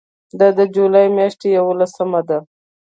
دا د جولای میاشتې یوولسمه ده.